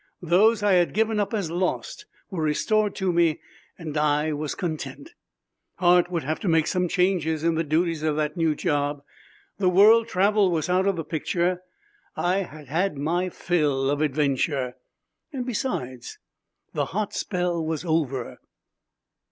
Those I had given up as lost were restored to me and I was content. Hart would have to make some changes in the duties of that new job the world travel was out of the picture. I had had my fill of adventure. Besides, the hot spell was over.